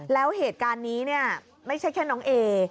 แล้วเหตุการณ์นี้เนี่ยไม่ใช่แค่น้องเอ